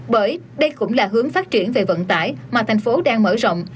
bởi đây cũng là hướng phát triển về vận tải mà thành phố đang mở rộng